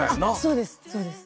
そうですそうです。